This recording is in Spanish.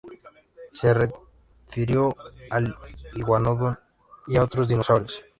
Se refirió al "Iguanodon" y a otros dinosaurios.